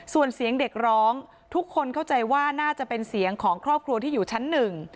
ส่วนเสียงเด็กร้องทุกคนเข้าใจว่าน่าจะเป็นเสียงของครอบครัวที่อยู่ชั้นหนึ่ง